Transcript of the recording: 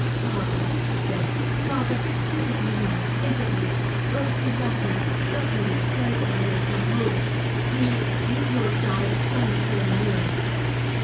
"Father," she said. "Father, think of me now think of me! Rosy, love me love me and pray that I may come home. You you who have died, stand very near!"